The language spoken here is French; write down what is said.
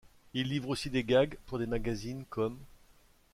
Il livre aussi des gags pour des magazines comme '.